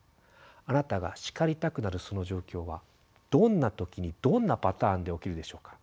あなたが叱りたくなるその状況はどんな時にどんなパターンで起きるでしょうか？